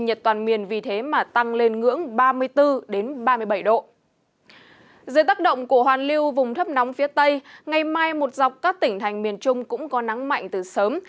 hôm nay một dọc các tỉnh thành miền trung cũng có nắng mạnh từ sớm